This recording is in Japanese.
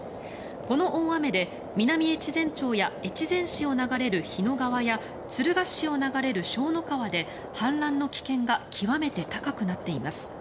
この大雨で南越前町や越前市を流れる日野川や敦賀市を流れる笙の川で氾濫の危険が極めて高くなっています。